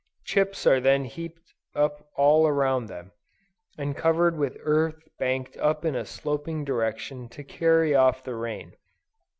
Chips are then heaped up all around them, and covered with earth banked up in a sloping direction to carry off the rain.